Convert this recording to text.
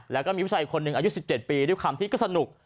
แล้วก็มีผู้ชายคนหนึ่งอายุ๑๗ปีด้วยความที่ก็สนุก